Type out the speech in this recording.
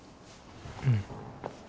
うん。